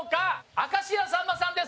明石家さんまさんです！